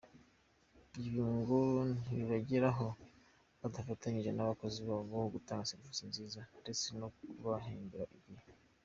Ibi ngo ntibabigeraho badafatanyije n’abakozi babo gutanga serivisi nziza, ndetse no kubahembera igihe.